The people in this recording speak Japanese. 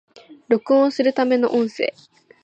録音するための音声